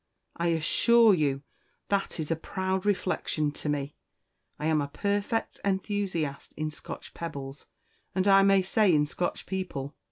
I assure you that is a proud reflection to me. I am a perfect enthusiast in Scotch pebbles, and, I may say, in Scotch people.